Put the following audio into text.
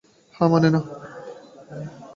হ্যাঁ, মানে না।